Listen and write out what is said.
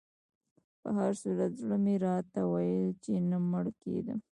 په هر صورت زړه مې راته ویل چې نه مړ کېدم.